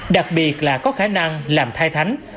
đặc biệt là có khả năng làm thai thánh